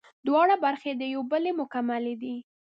دواړه برخې د یوې بلې مکملې دي